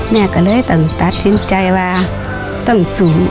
แม่ก็เลยต้องตัดสินใจว่าต้องศูนย์